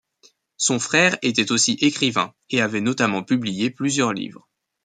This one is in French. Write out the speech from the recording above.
Son frère était aussi écrivain et avait notamment publié plusieurs livres.